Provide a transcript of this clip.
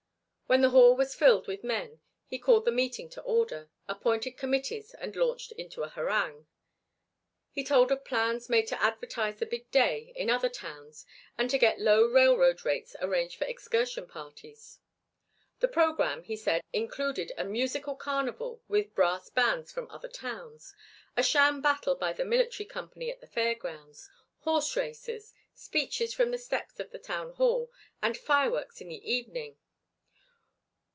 When the hall was filled with men he called the meeting to order, appointed committees and launched into a harangue. He told of plans made to advertise the big day in other towns and to get low railroad rates arranged for excursion parties. The programme, he said, included a musical carnival with brass bands from other towns, a sham battle by the military company at the fairgrounds, horse races, speeches from the steps of the town hall, and fireworks in the evening.